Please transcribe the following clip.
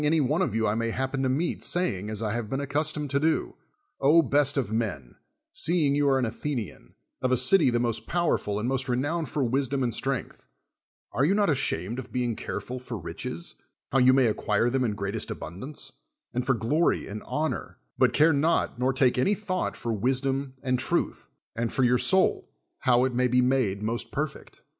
S(XRA'ri:s so CRATES any one of you I may happen to meet, sayinr;:, as I have been accustomed to do : '0 best of men, seeing you are an Athenian, of a city the most powerful and most renowned for wisdom and strength, are you not ashamed of being careful for riches, how you may acquire them in great est abundance, and for glory and honor, but care not nor take any thought for wisdom and truth, and for your soul, how it may be made most perfect?'